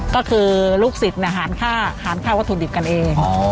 ก็คือลูกสิทธิ์หารค่าวัตถุดิบกันเอง